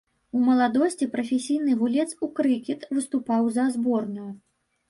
У маладосці прафесійны гулец у крыкет, выступаў за зборную.